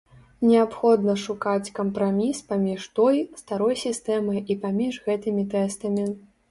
Неабходна шукаць кампраміс паміж той, старой сістэмай і паміж гэтымі тэстамі.